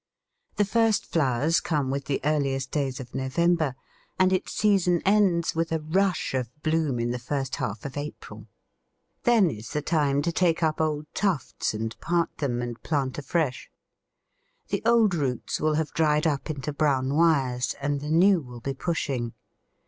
The first flowers come with the earliest days of November, and its season ends with a rush of bloom in the first half of April. Then is the time to take up old tufts and part them, and plant afresh; the old roots will have dried up into brown wires, and the new will be pushing.